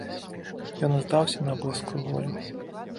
Ён здаўся на боскую волю.